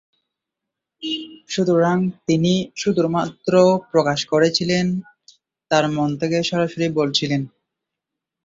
সুতরাং, তিনি শুধুমাত্র প্রকাশ করছিলেন, তার মন থেকে সরাসরি বলছিলেন।